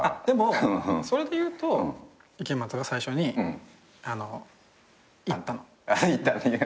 でもそれでいうと池松が最初に行ったの。